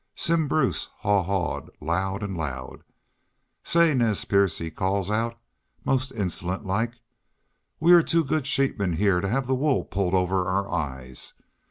Simm Bruce haw hawed loud an' loud.... 'Say, Nez Perce,' he calls out, most insolent like, 'we air too good sheepmen heah to hev the wool pulled over our eyes.